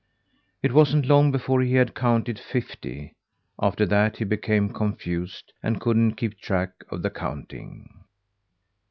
It wasn't long before he had counted fifty. After that he became confused and couldn't keep track of the counting.